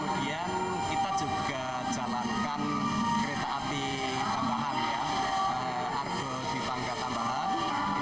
kemudian kita juga jalankan kereta api tambahan ya argo di tangga tambahan